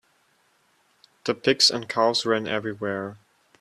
The pigs and cows ran everywhere.